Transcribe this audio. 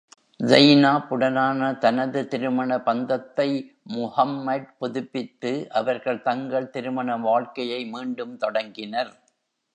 Zainab உடனான தனது திருமண பந்தத்தை Muhammad புதுப்பித்து, அவர்கள் தங்கள் திருமண வாழ்க்கையை மீண்டும் தொடங்கினர்.